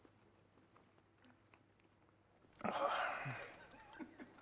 ああ